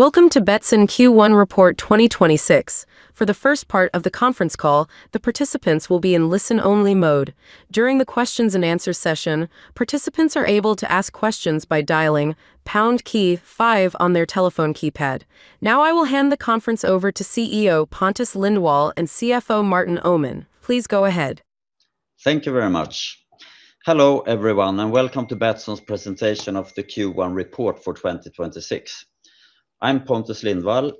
Welcome to Betsson Q1 Report 2026. For the first part of the conference call, the participants will be in listen-only mode. During the questions and answers session, participants are able to ask questions by dialing #5 on their telephone keypad. Now I will hand the conference over to CEO Pontus Lindwall and CFO Martin Öhman. Please go ahead. Thank you very much. Hello everyone, and welcome to Betsson's presentation of the Q1 report for 2026. I'm Pontus Lindwall,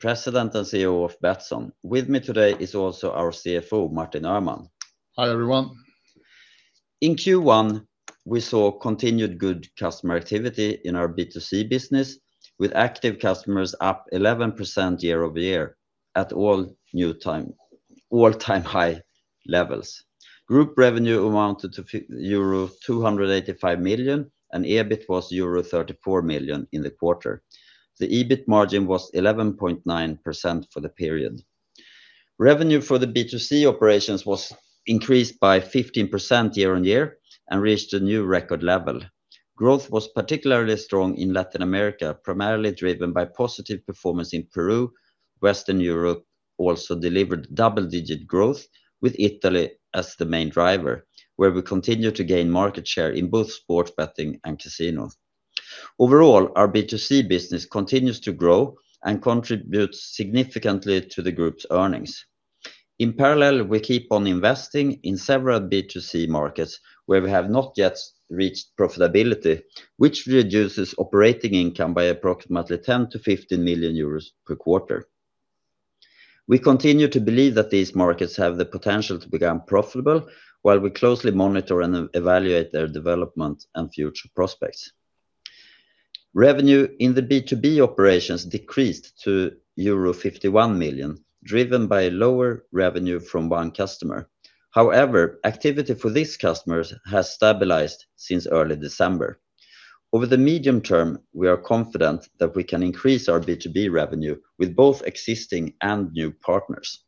President and CEO of Betsson. With me today is also our CFO, Martin Öhman. Hi, everyone. In Q1, we saw continued good customer activity in our B2C business with active customers up 11% year-over-year at all-time high levels. Group revenue amounted to euro 285 million, and EBIT was euro 34 million in the quarter. The EBIT margin was 11.9% for the period. Revenue for the B2C operations was increased by 15% year-over-year and reached a new record level. Growth was particularly strong in Latin America, primarily driven by positive performance in Peru. Western Europe also delivered double-digit growth with Italy as the main driver, where we continue to gain market share in both sports betting and casinos. Overall, our B2C business continues to grow and contributes significantly to the group's earnings. In parallel, we keep on investing in several B2C markets where we have not yet reached profitability, which reduces operating income by approximately 10 million-15 million euros per quarter. We continue to believe that these markets have the potential to become profitable, while we closely monitor and evaluate their development and future prospects. Revenue in the B2B operations decreased to euro 51 million, driven by lower revenue from one customer. However, activity for these customers has stabilized since early December. Over the medium term, we are confident that we can increase our B2B revenue with both existing and new partners.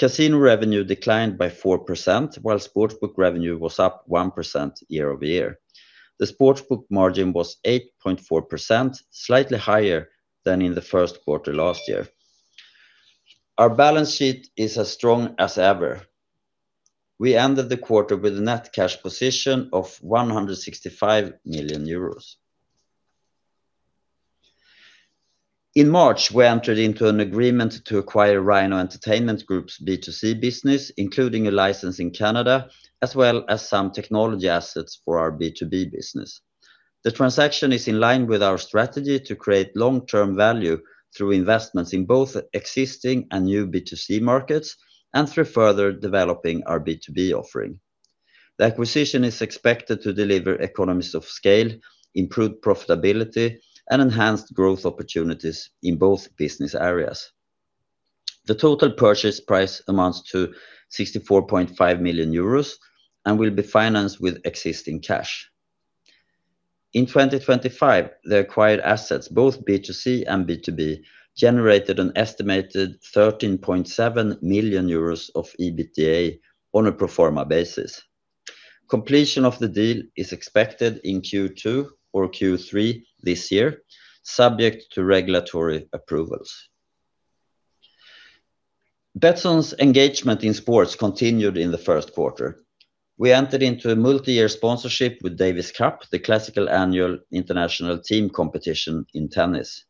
Casino revenue declined by 4%, while sportsbook revenue was up 1% year-over-year. The sportsbook margin was 8.4%, slightly higher than in the first quarter last year. Our balance sheet is as strong as ever. We ended the quarter with a net cash position of 165 million euros. In March, we entered into an agreement to acquire Rhino Entertainment Group's B2C business, including a license in Canada, as well as some technology assets for our B2B business. The transaction is in line with our strategy to create long-term value through investments in both existing and new B2C markets, and through further developing our B2B offering. The acquisition is expected to deliver economies of scale, improved profitability, and enhanced growth opportunities in both business areas. The total purchase price amounts to 64.5 million euros and will be financed with existing cash. In 2025, the acquired assets, both B2C and B2B, generated an estimated 13.7 million euros of EBITDA on a pro forma basis. Completion of the deal is expected in Q2 or Q3 this year, subject to regulatory approvals. Betsson's engagement in sports continued in the first quarter. We entered into a multi-year sponsorship with Davis Cup, the classic annual international team competition in tennis.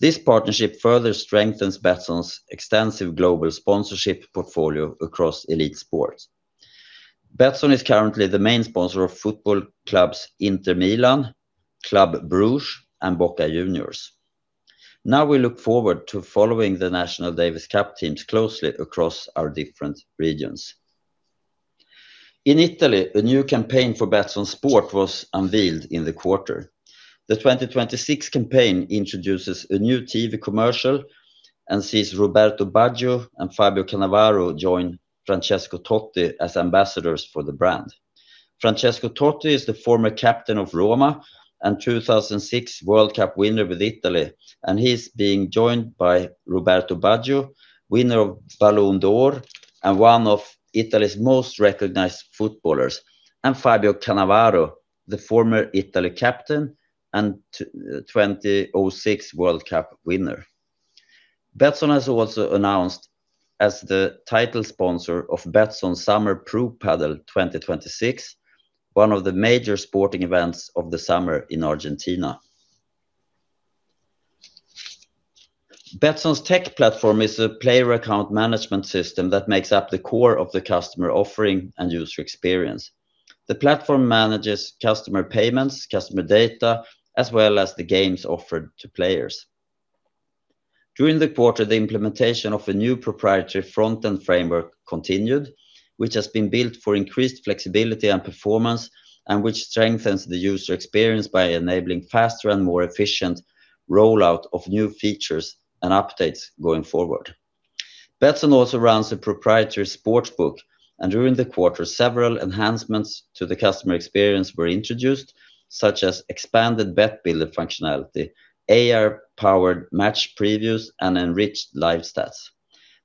This partnership further strengthens Betsson's extensive global sponsorship portfolio across elite sports. Betsson is currently the main sponsor of football clubs Inter Milan, Club Brugge, and Boca Juniors. Now we look forward to following the national Davis Cup teams closely across our different regions. In Italy, a new campaign for Betsson Sport was unveiled in the quarter. The 2026 campaign introduces a new TV commercial and sees Roberto Baggio and Fabio Cannavaro join Francesco Totti as ambassadors for the brand. Francesco Totti is the former captain of Roma and 2006 World Cup winner with Italy, and he's being joined by Roberto Baggio, winner of Ballon d'Or and one of Italy's most recognized footballers, and Fabio Cannavaro, the former Italy captain and 2006 World Cup winner. Betsson was also announced as the title sponsor of Betsson Summer Pro Padel 2026, one of the major sporting events of the summer in Argentina. Betsson's tech platform is a player account management system that makes up the core of the customer offering and user experience. The platform manages customer payments, customer data, as well as the games offered to players. During the quarter, the implementation of a new proprietary front-end framework continued, which has been built for increased flexibility and performance, and which strengthens the user experience by enabling faster and more efficient rollout of new features and updates going forward. Betsson also runs a proprietary sportsbook, and during the quarter, several enhancements to the customer experience were introduced, such as expanded bet builder functionality, AR-powered match previews, and enriched live stats.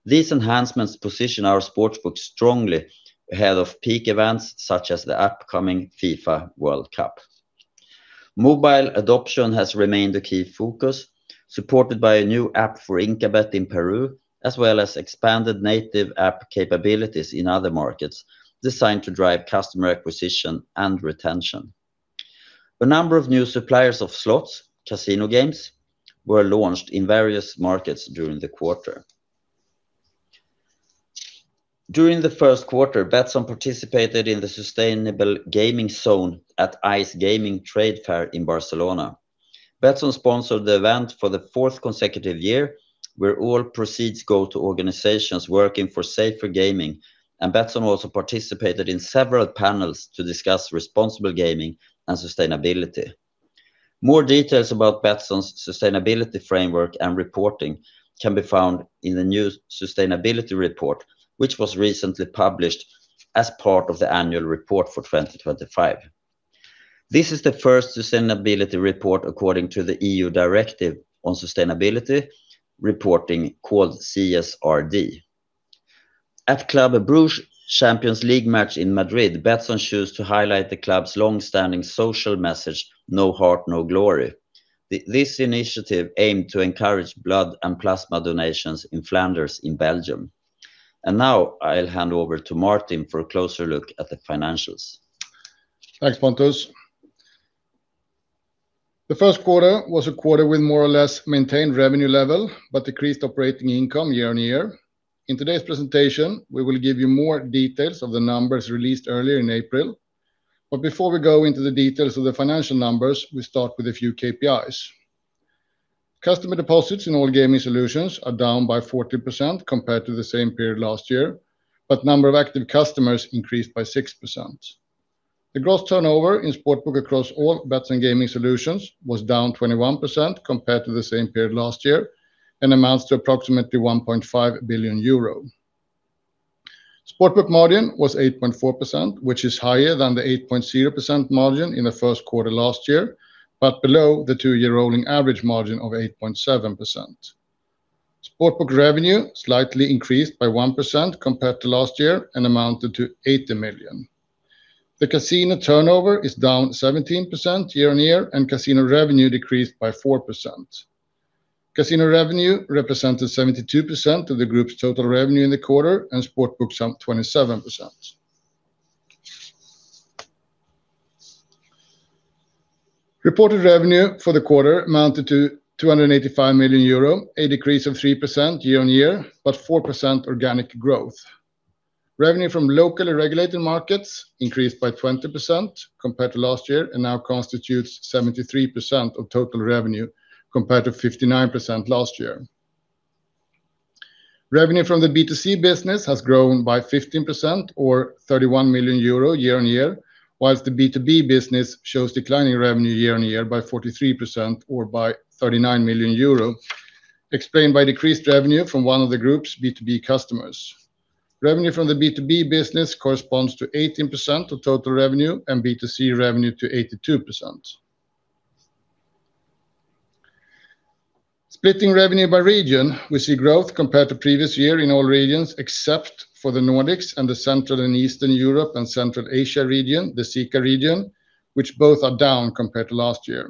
These enhancements position our sportsbook strongly ahead of peak events such as the upcoming FIFA World Cup. Mobile adoption has remained a key focus, supported by a new app for InkaBet in Peru, as well as expanded native app capabilities in other markets designed to drive customer acquisition and retention. A number of new suppliers of slots, casino games, were launched in various markets during the quarter. During the first quarter, Betsson participated in the Sustainable Gambling Zone at ICE Gaming Trade Fair in Barcelona. Betsson sponsored the event for the fourth consecutive year, where all proceeds go to organizations working for safer gaming, and Betsson also participated in several panels to discuss responsible gaming and sustainability. More details about Betsson's sustainability framework and reporting can be found in the new sustainability report, which was recently published as part of the annual report for 2025. This is the first sustainability report according to the EU Directive on Sustainability Reporting, called CSRD. At Club Brugge Champions League match in Madrid, Betsson chose to highlight the club's long-standing social message, "No heart, no glory." This initiative aimed to encourage blood and plasma donations in Flanders in Belgium. Now I'll hand over to Martin for a closer look at the financials. Thanks, Pontus. The first quarter was a quarter with more or less maintained revenue level, but decreased operating income year on year. In today's presentation, we will give you more details of the numbers released earlier in April. Before we go into the details of the financial numbers, we start with a few KPIs. Customer deposits in all gaming solutions are down by 14% compared to the same period last year, but number of active customers increased by 6%. The gross turnover in sportsbook across all Betsson gaming solutions was down 21% compared to the same period last year and amounts to approximately 1.5 billion euro. Sportsbook margin was 8.4%, which is higher than the 8.0% margin in the first quarter last year, but below the two-year rolling average margin of 8.7%. Sportsbook revenue slightly increased by 1% compared to last year and amounted to 80 million. The casino turnover is down 17% year-over-year, and casino revenue decreased by 4%. Casino revenue represented 72% of the group's total revenue in the quarter, and sportsbooks some 27%. Reported revenue for the quarter amounted to 285 million euro, a decrease of 3% year-over-year, but 4% organic growth. Revenue from locally regulated markets increased by 20% compared to last year and now constitutes 73% of total revenue, compared to 59% last year. Revenue from the B2C business has grown by 15% or 31 million euro year-over-year, whilst the B2B business shows declining revenue year-over-year by 43% or by 39 million euro, explained by decreased revenue from one of the group's B2B customers. Revenue from the B2B business corresponds to 18% of total revenue, and B2C revenue to 82%. Splitting revenue by region, we see growth compared to previous year in all regions except for the Nordics and the Central and Eastern Europe and Central Asia region, the CEECA region, which both are down compared to last year.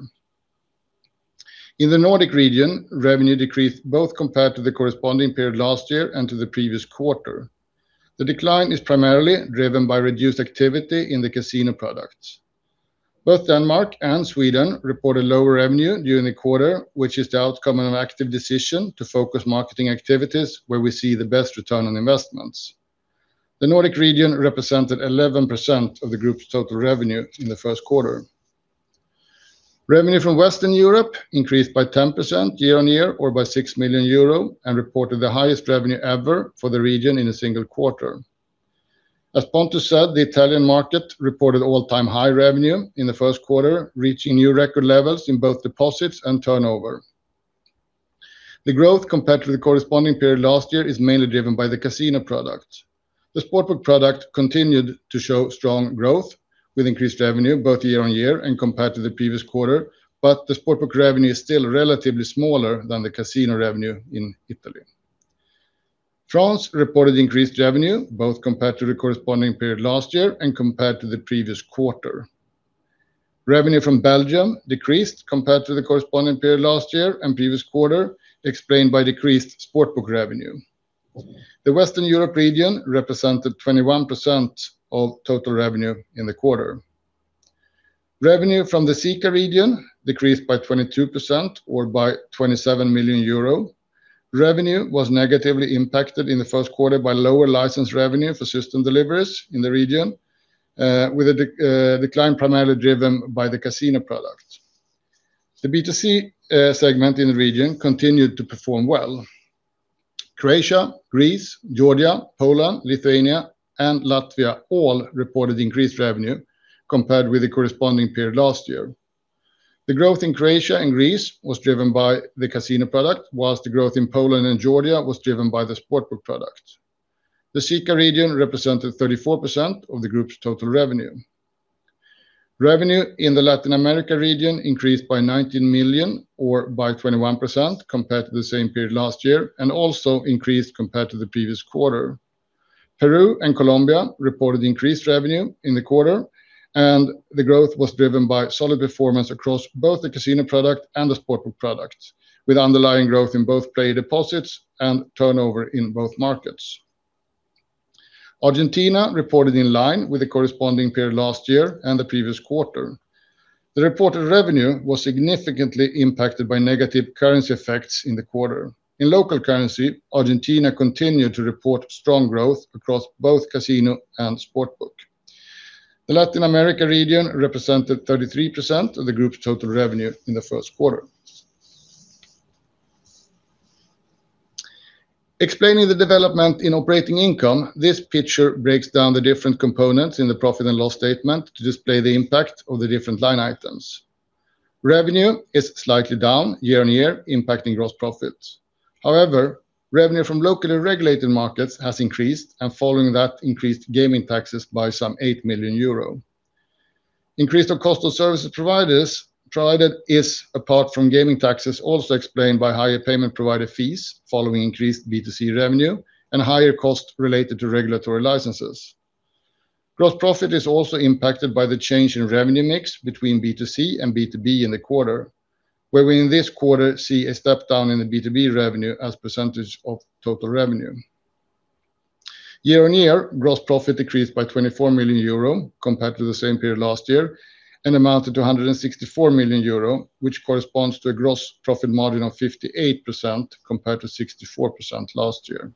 In the Nordic region, revenue decreased both compared to the corresponding period last year and to the previous quarter. The decline is primarily driven by reduced activity in the casino products. Both Denmark and Sweden reported lower revenue during the quarter, which is the outcome of an active decision to focus marketing activities where we see the best return on investments. The Nordic region represented 11% of the group's total revenue in the first quarter. Revenue from Western Europe increased by 10% year-on-year or by 6 million euro, and reported the highest revenue ever for the region in a single quarter. As Pontus said, the Italian market reported all-time high revenue in the first quarter, reaching new record levels in both deposits and turnover. The growth compared to the corresponding period last year is mainly driven by the casino product. The sportsbook product continued to show strong growth with increased revenue both year-over-year and compared to the previous quarter, but the sportsbook revenue is still relatively smaller than the casino revenue in Italy. France reported increased revenue both compared to the corresponding period last year and compared to the previous quarter. Revenue from Belgium decreased compared to the corresponding period last year and previous quarter, explained by decreased sportsbook revenue. The Western Europe region represented 21% of total revenue in the quarter. Revenue from the CEECA region decreased by 22% or by 27 million euro. Revenue was negatively impacted in the first quarter by lower license revenue for system deliveries in the region, with a decline primarily driven by the casino product. The B2C segment in the region continued to perform well. Croatia, Greece, Georgia, Poland, Lithuania, and Latvia all reported increased revenue compared with the corresponding period last year. The growth in Croatia and Greece was driven by the casino product, while the growth in Poland and Georgia was driven by the sportsbook product. The CEECA region represented 34% of the group's total revenue. Revenue in the Latin America region increased by 19 million or by 21% compared to the same period last year, and also increased compared to the previous quarter. Peru and Colombia reported increased revenue in the quarter, and the growth was driven by solid performance across both the casino product and the sports book product, with underlying growth in both player deposits and turnover in both markets. Argentina reported in line with the corresponding period last year and the previous quarter. The reported revenue was significantly impacted by negative currency effects in the quarter. In local currency, Argentina continued to report strong growth across both casino and sports book. The Latin America region represented 33% of the group's total revenue in the first quarter. Explaining the development in operating income, this picture breaks down the different components in the profit and loss statement to display the impact of the different line items. Revenue is slightly down year-over-year, impacting gross profits. However, revenue from locally regulated markets has increased and, following that, increased gaming taxes by some 8 million euro. Increase of cost of services provided is, apart from gaming taxes, also explained by higher payment provider fees following increased B2C revenue and higher costs related to regulatory licenses. Gross profit is also impacted by the change in revenue mix between B2C and B2B in the quarter, where we in this quarter see a step down in the B2B revenue as percentage of total revenue. Year on year, gross profit decreased by 24 million euro compared to the same period last year and amounted to 164 million euro, which corresponds to a gross profit margin of 58% compared to 64% last year.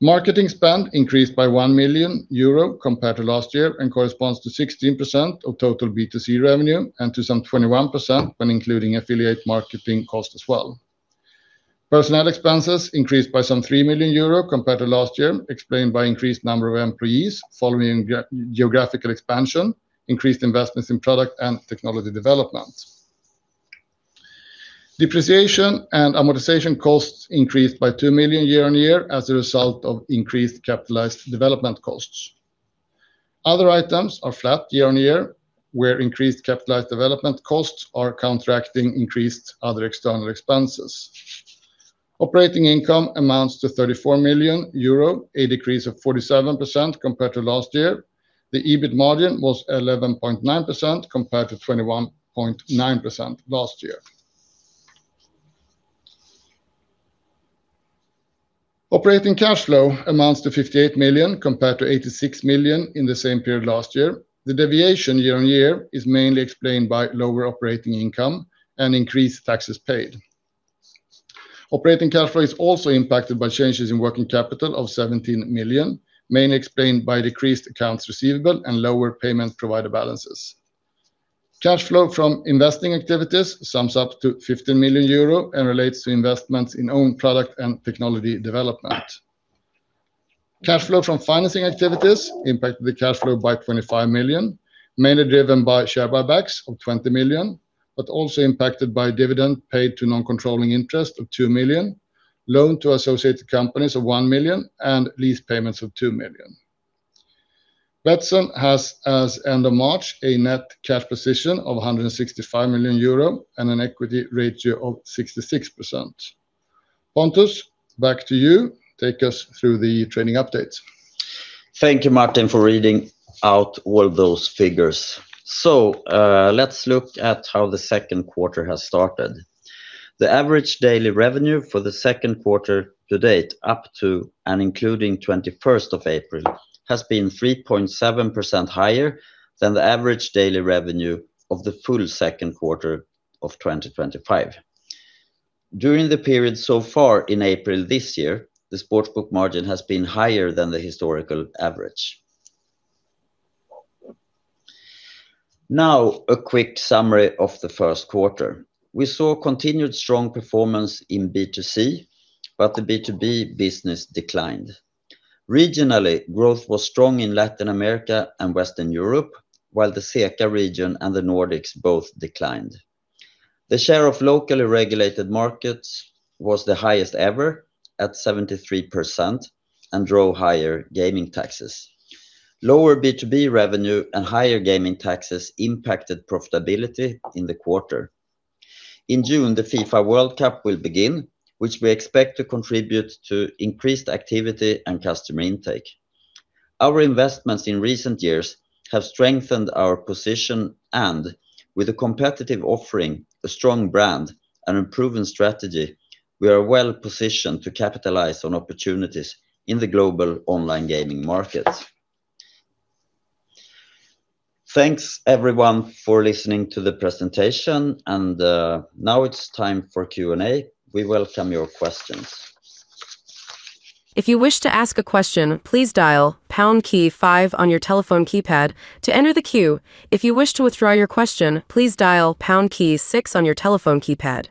Marketing spend increased by one million euro compared to last year and corresponds to 16% of total B2C revenue and to some 21% when including affiliate marketing cost as well. Personnel expenses increased by some three million euro compared to last year, explained by increased number of employees following geographical expansion, increased investments in product and technology development. Depreciation and amortization costs increased by two million year on year as a result of increased capitalized development costs. Other items are flat year on year, where increased capitalized development costs are counteracting increased other external expenses. Operating income amounts to 34 million euro, a decrease of 47% compared to last year. The EBIT margin was 11.9% compared to 21.9% last year. Operating cash flow amounts to 58 million compared to 86 million in the same period last year. The deviation year-on-year is mainly explained by lower operating income and increased taxes paid. Operating cash flow is also impacted by changes in working capital of 17 million, mainly explained by decreased accounts receivable and lower payment provider balances. Cash flow from investing activities sums up to 15 million euro and relates to investments in own product and technology development. Cash flow from financing activities impacted the cash flow by 25 million, mainly driven by share buybacks of 20 million, but also impacted by dividend paid to non-controlling interest of 2 million, loan to associated companies of 1 million and lease payments of 2 million. Betsson has, as of end of March, a net cash position of 165 million euro and an equity ratio of 66%. Pontus, back to you. Take us through the trading update. Thank you, Martin, for reading out all those figures. Let's look at how the second quarter has started. The average daily revenue for the second quarter to date, up to and including 21st of April, has been 3.7% higher than the average daily revenue of the full second quarter of 2025. During the period so far in April this year, the sportsbook margin has been higher than the historical average. Now, a quick summary of the first quarter. We saw continued strong performance in B2C, but the B2B business declined. Regionally, growth was strong in Latin America and Western Europe, while the CEECA region and the Nordics both declined. The share of locally regulated markets was the highest ever at 73% and drove higher gaming taxes. Lower B2B revenue and higher gaming taxes impacted profitability in the quarter. In June, the FIFA World Cup will begin, which we expect to contribute to increased activity and customer intake. Our investments in recent years have strengthened our position and with a competitive offering, a strong brand, and a proven strategy, we are well-positioned to capitalize on opportunities in the global online gaming market. Thanks everyone for listening to the presentation, and now it's time for Q&A. We welcome your questions. If you wish to ask a question please dial pound key five on your telephone keypad, to enter the queue if you wish to withdraw your question please dial pound key six on your telephone keypad.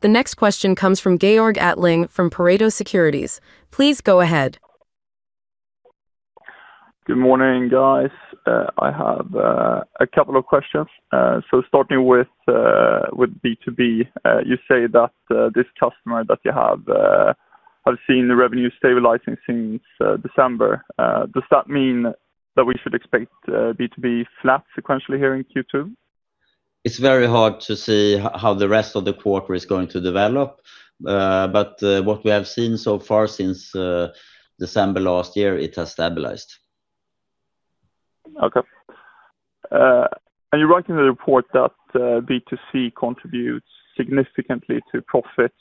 The next question comes from Georg Attling from Pareto Securities. Please go ahead. Good morning, guys. I have a couple of questions. Starting with B2B, you say that this customer that you have has seen the revenue stabilizing since December. Does that mean that we should expect B2B flat sequentially here in Q2? It's very hard to see how the rest of the quarter is going to develop. What we have seen so far since December last year, it has stabilized. Okay. You write in the report that B2C contributes significantly to profits.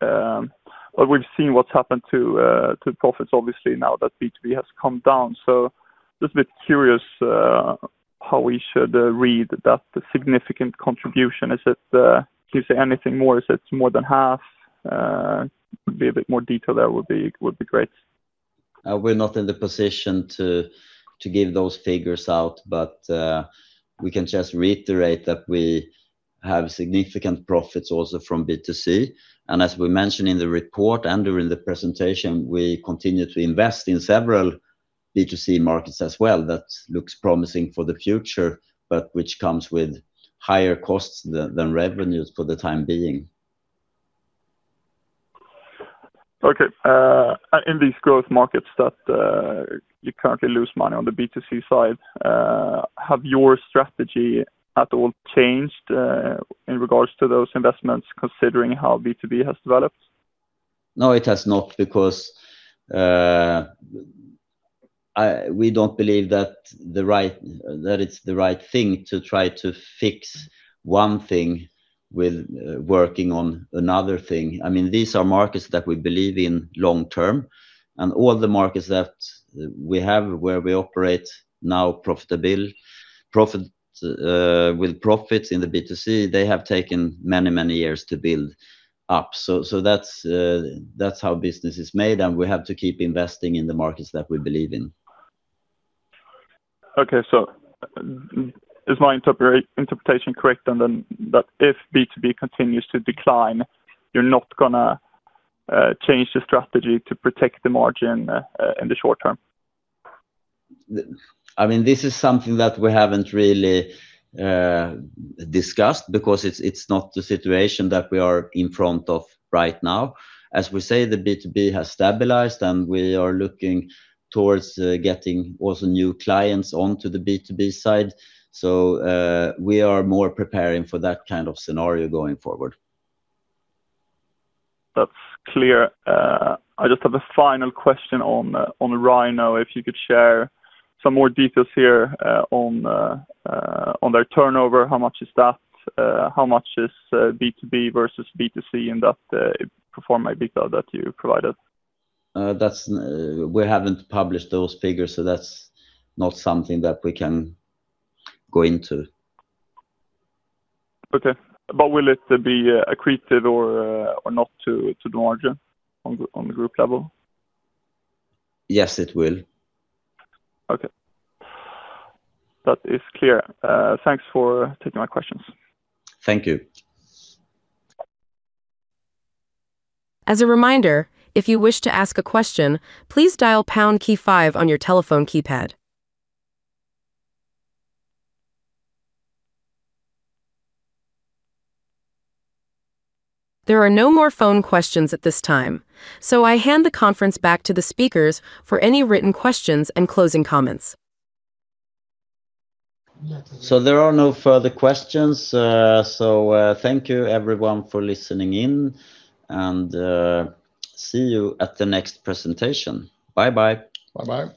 We've seen what's happened to profits obviously now that B2B has come down. Just a bit curious how we should read that, the significant contribution. Can you say anything more? Is it more than half? A bit more detail there would be great. We're not in the position to give those figures out. We can just reiterate that we have significant profits also from B2C. As we mentioned in the report and during the presentation, we continue to invest in several B2C markets as well, that looks promising for the future, but which comes with higher costs than revenues for the time being. Okay. In these growth markets that you currently lose money on the B2C side, have your strategy at all changed in regards to those investments, considering how B2B has developed? No, it has not because we don't believe that it's the right thing to try to fix one thing with working on another thing. These are markets that we believe in long-term, and all the markets that we have where we operate now with profits in the B2C, they have taken many, many years to build up. That's how business is made, and we have to keep investing in the markets that we believe in. Okay, is my interpretation correct that if B2B continues to decline, you're not going to change the strategy to protect the margin in the short term? This is something that we haven't really discussed because it's not the situation that we are in front of right now. As we say, the B2B has stabilized, and we are looking towards getting also new clients onto the B2B side. We are more preparing for that kind of scenario going forward. That's clear. I just have a final question on Rhino. If you could share some more details here on their turnover, how much is that? How much is B2B versus B2C in that pro forma detail that you provided? We haven't published those figures, so that's not something that we can go into. Okay. Will it be accretive or not to the margin on the group level? Yes, it will. Okay. That is clear. Thanks for taking my questions. Thank you. As a reminder, if you wish to ask a question, please dial pound key five on your telephone keypad. There are no more phone questions at this time. I hand the conference back to the speakers for any written questions and closing comments. There are no further questions. Thank you everyone for listening in, and see you at the next presentation. Bye bye. Bye bye.